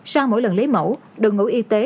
sau mỗi lần lấy mẫu đồng ngũ y tế